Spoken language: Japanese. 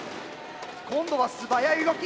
今度は素早い動き。